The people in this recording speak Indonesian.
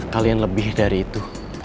kalian lebih dari itu